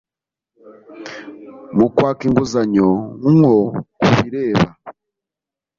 mu kwaka inguzanyo nko ku bireba